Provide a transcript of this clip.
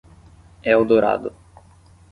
Eldorado